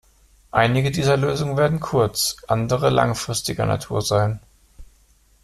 Einige dieser Lösungen werden kurz-, andere langfristiger Natur sein.